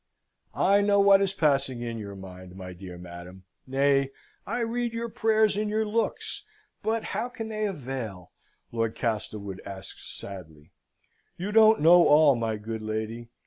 "I know what is passing in your mind, my dear madam nay, I read your prayers in your looks; but how can they avail?" Lord Castlewood asked sadly. "You don't know all, my good lady.